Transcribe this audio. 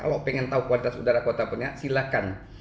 kalau ingin tahu kualitas udara kota pontianak silakan